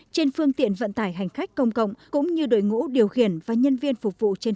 trên phương tiện vận tải hành khách công cộng cũng như đội ngũ điều khiển và nhân viên phục vụ trên